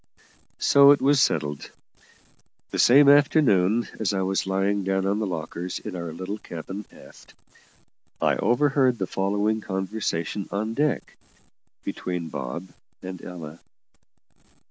So it was settled. That same afternoon, as I was lying down on the lockers in our little cabin aft, I overheard the following conversation on deck, between Bob and Ella.